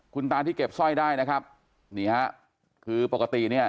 คุณตาที่เก็บสร้อยได้นะครับนี่ฮะคือปกติเนี่ย